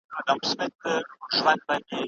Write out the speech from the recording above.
د مطالعې فرهنګ د هر کور اړتيا ده.